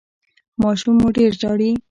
ماشوم مو ډیر ژاړي؟